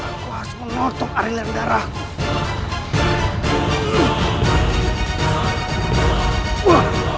aku harus mengotot arilan darahku